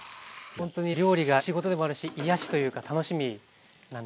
ほんとに料理が仕事でもあるし癒やしというか楽しみなんですかね。